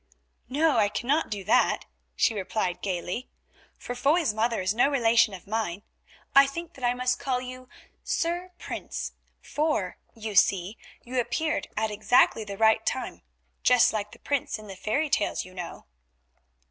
'" "No, I cannot do that," she replied gaily, "for Foy's mother is no relation of mine. I think that I must call you 'Sir Prince,' for, you see, you appeared at exactly the right time; just like the Prince in the fairy tales, you know."